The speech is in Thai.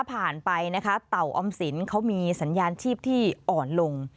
ไปนะคะเต่าออมสินเขามีสัญญาณชีพที่อ่อนลง